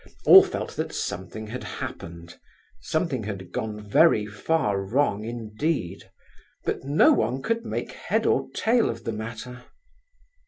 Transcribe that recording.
All felt that something had happened, something had gone very far wrong indeed, but no one could make head or tail of the matter.